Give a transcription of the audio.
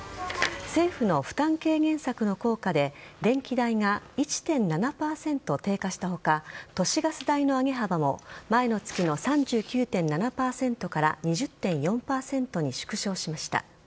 政府の負担軽減策の効果で電気代が１．７％低下した他都市ガス代の上げ幅も前の月の３９．７％から２０．４％に縮小しました。